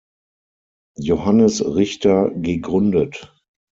Johannes Richter gegründet.